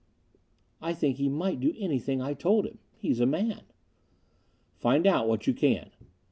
"I think he might do anything I told him. He's a man." "Find out what you can."